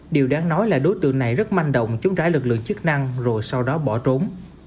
điều đáng nói là đối tượng này rất manh động chống trả lực lượng chức năng rồi sau đó bỏ trốn